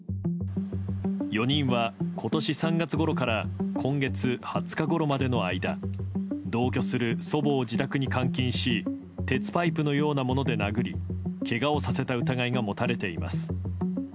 ４人は今年３月ごろから今月２０日ごろまでの間同居する祖母を自宅に監禁し鉄パイプのようなもので殴りけがをさせた疑いが持たれています。